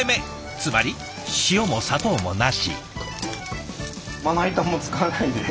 つまり塩も砂糖もなし。